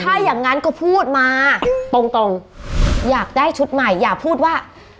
ถ้าอย่างงั้นก็พูดมาตรงตรงอยากได้ชุดใหม่อย่าพูดว่า